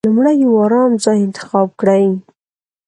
لومړی يو ارام ځای انتخاب کړئ.